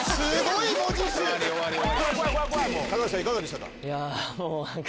いかがでしたか？